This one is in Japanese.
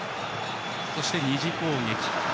そして２次攻撃。